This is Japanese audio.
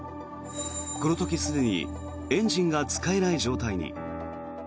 この時、すでにエンジンが使えない状態に。